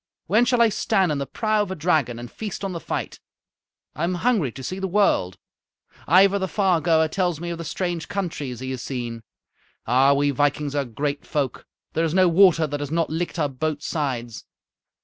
"When shall I stand in the prow of a dragon and feast on the fight? I am hungry to see the world. Ivar the Far goer tells me of the strange countries he has seen. Ah! we vikings are great folk. There is no water that has not licked our boats' sides.